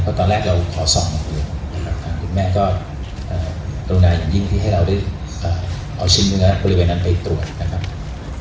เพราะตอนแรกเราขอส่องคุณแม่ก็เอาหน้าอย่างยิ่งที่ให้เราได้เอาชิ้นเนื้อบริเวณนั้นไปตรวจ